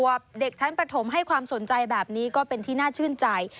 อายุแค่๑๐ครัวเด็กชั้นประถมให้ความสนใจแบบนี้ก็เป็นที่น่าชื่นใจ